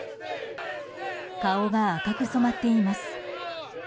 顔が赤く染まっています。